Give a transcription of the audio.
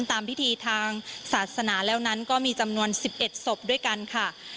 ตามพิธีทางศาสนาแล้วนั้นก็มีจำนวน๑๑ศพด้วยกันค่ะ